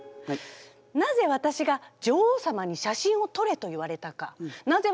なぜわたしが女王様に「写真を撮れ」と言われたかなぜ